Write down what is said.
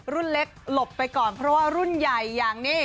รุ่นเล็กหลบไปก่อนเพราะว่ารุ่นใหญ่อย่างนี้